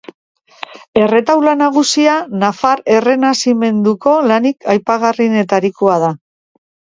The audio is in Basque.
Erretaula nagusia nafar errenazimenduko lanik aipagarrienetakoa da.